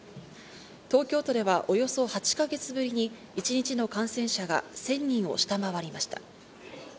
東京都ではおよそ８か月ぶりに一日の感染者が１０００人を下回りました。